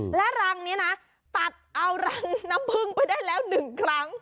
และรังนี้นะตัดเอารังน้ำพึ่งไปได้แล้ว๑ครั้ง